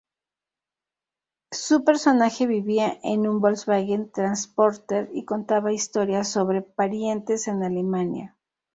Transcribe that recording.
Su personaje vivía en un Volkswagen Transporter y contaba historias sobre parientes en Alemania.